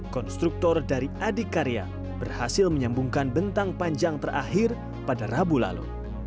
konstruktur dari adikarya berhasil menyambungkan bentang panjang terakhir pada rabu lalu